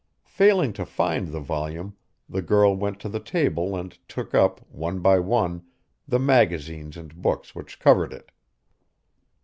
Failing to find the volume, the girl went to the table and took up, one by one, the magazines and books which covered it.